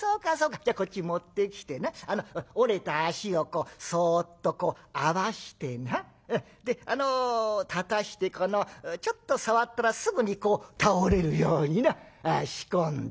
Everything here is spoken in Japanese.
じゃあこっちに持ってきてな折れた脚をそっとこう合わしてなであの立たしてこのちょっと触ったらすぐに倒れるようにな仕込んで。